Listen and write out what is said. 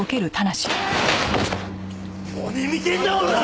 何見てんだオラ！